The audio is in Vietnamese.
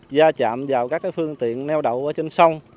gia chạm vào các phương tiện neo đậu ở trên sông